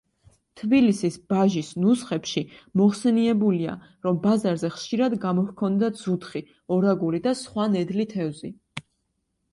თბილისის ბაჟის ნუსხებში მოხსენიებულია, რომ ბაზარზე ხშირად გამოჰქონდათ ზუთხი, ორაგული და სხვა ნედლი თევზი.